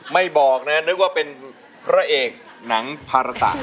ไม่บอกนะนึกว่าเป็นพระเอกหนังภาระตะ